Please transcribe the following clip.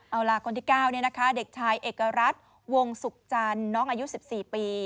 เอาล่ะคนที่๙เด็กชายเอกรัฐวงศุกร์จันทร์น้องอายุ๑๔ปี